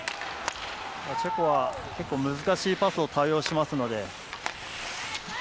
チェコは結構難しいパスを多用しますので。